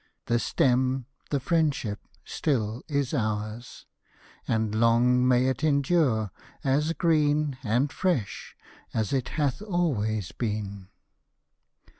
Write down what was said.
The stem, the Friendship, still is ours ; And long may it endure, as green, And fresh as it hath always been